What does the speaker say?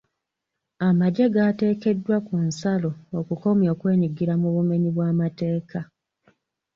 Amagye gaateekeddwa ku nsalo okukomya okwenyigira mu bumenyi bw'amateeka.